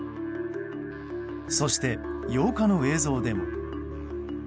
そして８日の映像でも。